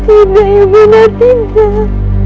tidak ibu nang tidak